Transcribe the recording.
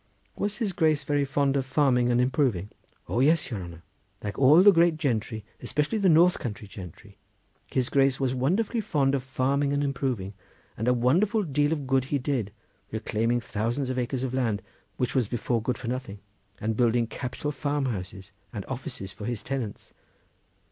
"Was his Grace very fond of farming and improving?" "O yes, your honour! like all the great gentry, especially the north country gentry, his Grace was wonderfully fond of farming and improving—and a wonderful deal of good he did, reclaiming thousands of acres of land which was before good for nothing, and building capital farm houses and offices for his tenants.